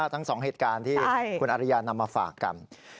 ทั้ง๒เหตุการณ์ที่คุณอริยานำมาฝากกัน